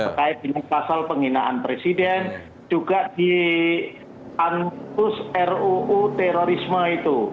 terkait dengan pasal penghinaan presiden juga diantus ruu terorisme itu